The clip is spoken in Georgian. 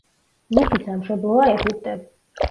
მისი სამშობლოა ეგვიპტე.